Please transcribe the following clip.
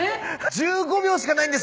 １５秒しかないんですよ。